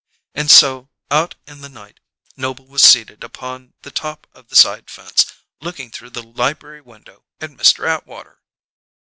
And so, out in the night, Noble was seated upon the top of the side fence, looking through the library window at Mr. Atwater.